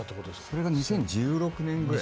それが２０１６年ぐらいで。